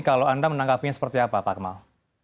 kalau anda menanggapinya seperti apa pak kemal